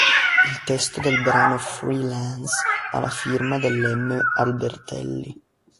Il testo del brano "Freelance" ha la firma del M° Albertelli.